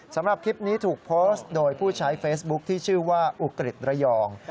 สำหรับคลิปนี้ถูกโพสต์โดยผู้ใช้เฟซบุ๊คที่ชื่อว่าอุกฤษระยอง